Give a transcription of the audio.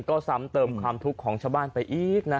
ก็ซ้ำเติมความทุกข์ของชาวบ้านไปอีกนะ